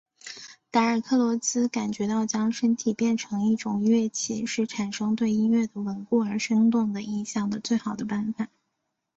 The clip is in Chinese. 达尔克罗兹感觉到将身体变成一种乐器是产生对音乐的稳固而生动的印象的最好的方法。